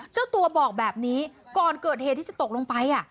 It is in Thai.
เจ้าตัวบอกแบบนี้ก่อนเกิดเหตุที่จะตกลงไป